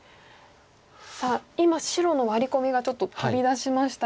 さあ今白のワリコミがちょっと飛び出しましたが。